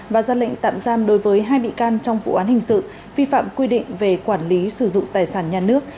và ra lệnh tạm giam đối với hai bị can trong vụ án hình sự vi phạm quy định về quản lý sử dụng tài sản nhà nước